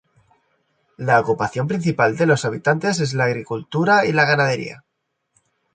La ocupación principal de los habitantes es la agricultura y la ganadería.